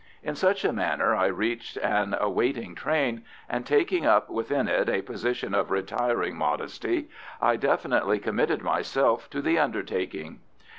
In such a manner I reached an awaiting train, and, taking up within it a position of retiring modesty, I definitely committed myself to the undertaking.